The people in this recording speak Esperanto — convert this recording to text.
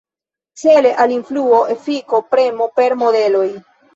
Cele al influo, efiko, premo per modeloj.